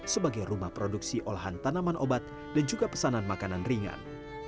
sebagai rumah produksi olahan tanaman obat dan juga pesanan makanan ringan